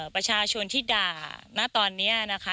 ประชาชนที่ด่าณตอนนี้นะคะ